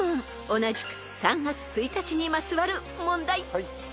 ［同じく３月１日にまつわる問題］